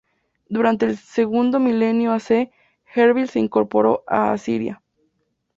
Durante el segundo milenio aC, Erbil se incorporó a Asiria.